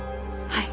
はい。